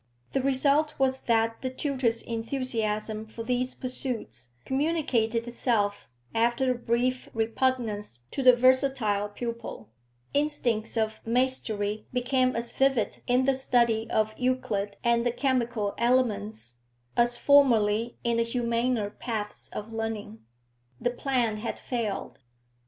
The result was that the tutor's enthusiasm for these pursuits communicated itself after a brief repugnance to the versatile pupil; instincts of mastery became as vivid in the study of Euclid and the chemical elements as formerly in the humaner paths of learning; the plan had failed.